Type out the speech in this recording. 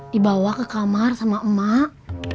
dibawa ke kamar sama emak